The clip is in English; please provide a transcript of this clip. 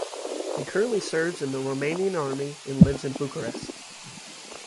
He currently serves in the Romanian Army and lives in Bucharest.